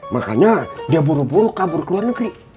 makanya dia buru buru kabur ke luar negeri